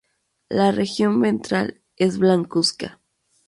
La región ventral es blancuzca.